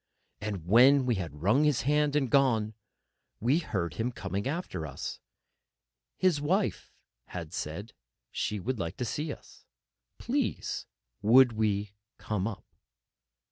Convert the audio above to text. And when we had wrung his hand and gone, we heard him coming after us: His wife had said she would like to see us, please. Would we come up?